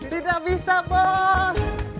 tidak bisa bos